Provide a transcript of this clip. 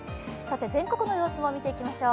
全国の様子も見ていきましょう。